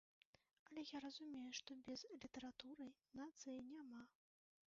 Але я разумею, што без літаратуры нацыі няма.